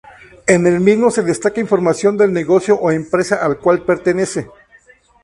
En el mismo se destaca información del negocio o empresa al cual pertenece.